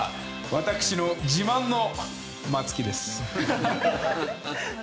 私の自慢の、松木です。